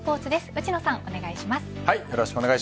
内野さんお願いします。